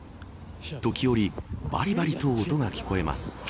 時折、バリバリと音が聞こえます。